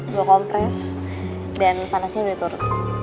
dua kompres dan panasnya udah turun